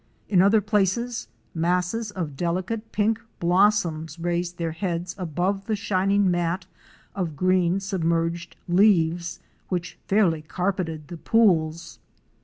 In other places masses of delicate pink blossoms raised their heads above the shining mat of green submerged leaves which fairly carpeted the pools.